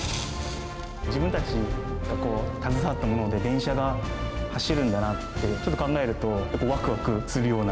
自分たちがこう、携わったもので電車が走るんだなって、ちょっと考えると、わくわくするような。